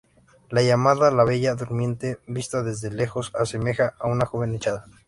La llamada la "Bella Durmiente", vista desde lejos, asemeja a una joven echada.